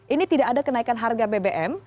ini tidak ada kenaikan harga bbm